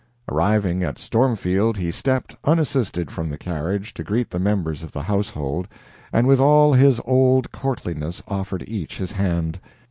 Arriving at Stormfield, he stepped, unassisted, from the carriage to greet the members of the household, and with all his old courtliness offered each his hand.